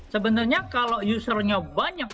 sebenarnya kalau usernya banyak